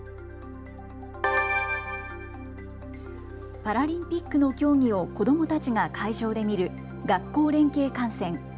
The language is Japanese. パラリンピックの競技を子どもたちが会場で見る学校連携観戦。